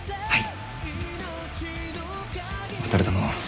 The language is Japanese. はい！